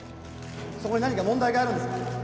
そこに何か問題があるんですか？